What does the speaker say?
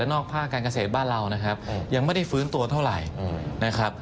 นอกภาคการเกษตรบ้านเรานะครับยังไม่ได้ฟื้นตัวเท่าไหร่นะครับ